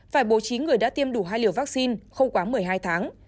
phải bố trí người đã tiêm đủ hai liều vaccine không quá một mươi hai tháng